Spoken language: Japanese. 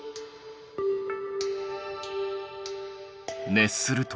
熱すると？